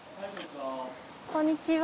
こんにちは。